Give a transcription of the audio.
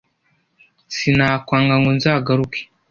sinakwanga ngo nzagaruke